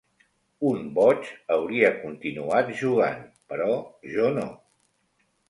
Un boig hauria continuat jugant, però jo no.